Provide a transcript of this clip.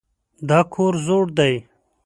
دا کور زوړ دی.